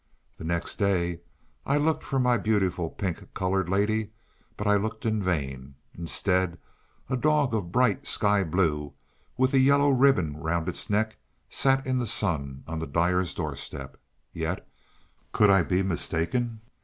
The next day I looked for my beautiful pink coloured lady, but I looked in vain. Instead, a dog of a bright sky blue, with a yellow ribbon round its neck, sat in the sun on the dyer's doorstep. Yet, could I be mistaken?